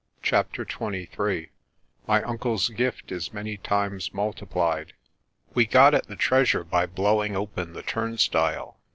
CHAPTER XXIII MY UNCLE'S GIFT is MANY TIMES MULTIPLIED WE got at the treasure by blowing open the turnstile.